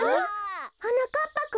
はなかっぱくん？